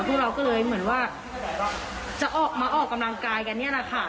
พวกเราก็เลยเหมือนว่าจะออกมาออกกำลังกายกันนี่แหละค่ะ